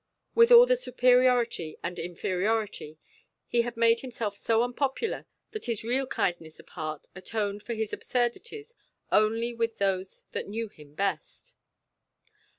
With all the superiority and inferiority, he had made himself so unpopular that his real kindness of heart atoned for his absurdities only with those that knew him best.